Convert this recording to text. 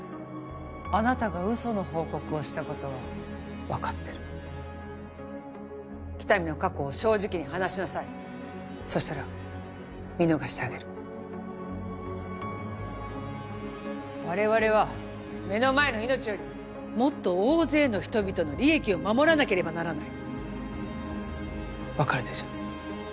あなたが嘘の報告をしたことは分かってる喜多見の過去を正直に話しなさいそしたら見逃してあげる我々は目の前の命よりもっと大勢の人々の利益を守らなければならない分かるでしょ